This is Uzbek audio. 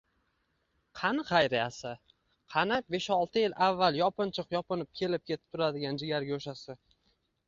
Qani Xayriyasi? Qani, besh-olti yil avval yopinchiq yopinib kelib- ketib turadigan jigargo'shasi?